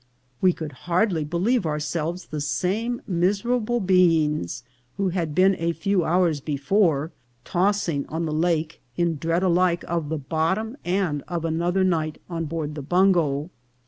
We could hardly believe ourselves the same mis erable beings who had been a few hours before tossing on the lake, in dread alike of the bottom and of anoth er night on board the bungo.